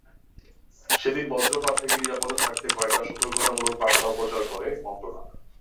সেদিন বজ্রপাত থেকে নিরাপদে থাকতে কয়েকটি সতর্কতামূলক বার্তাও প্রচার করে মন্ত্রণালয়।